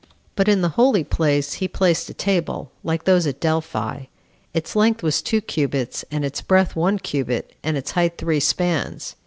6. But in the holy place he placed a table, like those at Delphi. Its length was two cubits, and its breadth one cubit, and its height three spans.